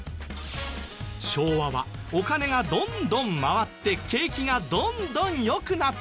昭和はお金がどんどん回って景気がどんどん良くなっていった。